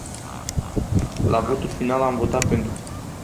La votul final am votat pentru.